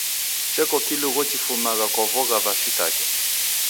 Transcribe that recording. Cheko kilungo chifumagha kwa vogha va shiitake.